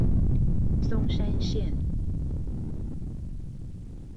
松山線